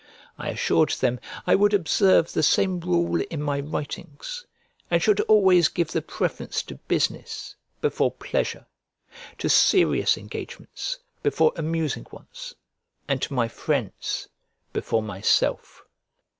I assured them I would observe the same rule in my writings, and should always give the preference to business, before pleasure; to serious engagements before amusing ones; and to my friends before myself.